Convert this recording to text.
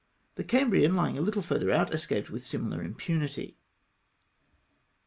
The Cam brian, lying a httle farther out, escaped with similar impunity.